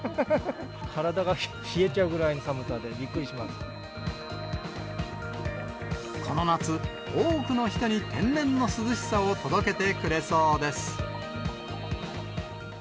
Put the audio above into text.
体が冷えちゃうぐらいの寒さで、この夏、多くの人に天然の涼しさを届けてくれそうです。